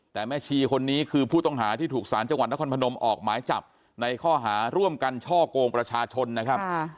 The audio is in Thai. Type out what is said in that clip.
แต่แม่ชีคนนี้คือผู้ต้องหาที่ถูกสารจังหวัดนครพนมออกหมายจับในข้อหาร่วมกันช่อกงประชาชนนะครับ